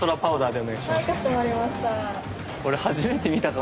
かしこまりました。